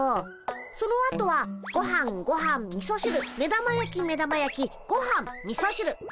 そのあとはごはんごはんみそしる目玉焼き目玉焼きごはんみそしる。